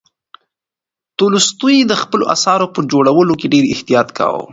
تولستوی د خپلو اثارو په جوړولو کې ډېر احتیاط کاوه.